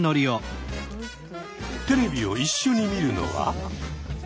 テレビを一緒に見るのは。